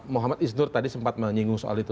muhammad isnur tadi sempat menyinggung soal itu